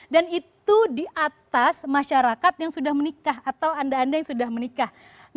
dan itu di atas masyarakat yang sudah menikah atau anda anda yang sudah menikah